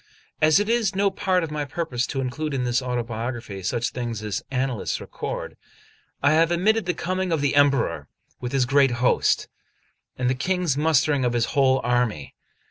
As it is no part of my purpose to include in this autobiography such things as annalists record, I have omitted the coming of the Emperor with his great host, and the King's mustering of his whole army.